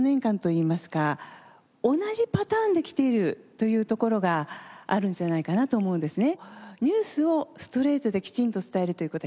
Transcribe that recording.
というところがあるんじゃないかなと思うんですね。